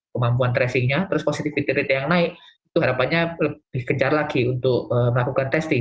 kemampuan tracingnya terus positivity rate yang naik itu harapannya lebih gencar lagi untuk melakukan testing